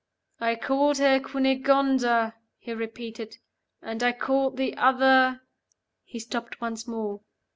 "I called her Cunegonda," he repeated. "And I called the other " He stopped once more.